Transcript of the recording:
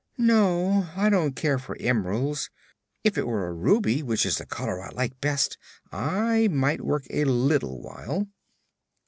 "No; I don't care for emeralds. If it were a ruby, which is the color I like best, I might work a little while."